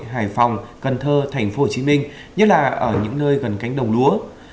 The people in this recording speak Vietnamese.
hải phòng cần thơ tp hcm nhất là ở những nơi gần cánh đồng lúa